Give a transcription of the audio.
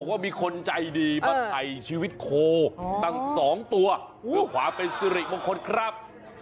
ว่ามีคนใจดีมาไถ่ชีวิตโคดังสองตัวเผื่อขวาเป็นสิริกบางคนครับ